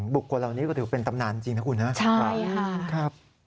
บุคคลเหล่านี้ก็ถือเป็นตำนานจริงนะคุณนะใช่ค่ะ